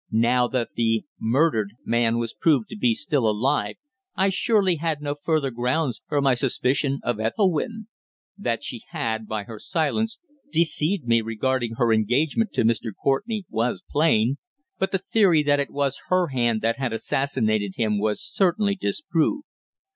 Now that the "murdered" man was proved to be still alive, I surely had no further grounds for my suspicion of Ethelwynn. That she had, by her silence, deceived me regarding her engagement to Mr. Courtenay was plain, but the theory that it was her hand that had assassinated him was certainly disproved.